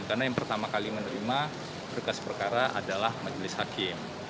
karena yang pertama kali menerima berkas perkara adalah majelis hakim